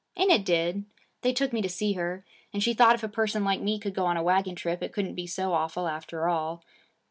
And it did. They took me to see her. And she thought if a person like me could go on a wagon trip it couldn't be so awful after all.